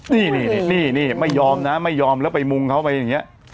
นี่ไม่ยอมนะไม่ยอมแล้วไปมุงเขาไปอย่างนี้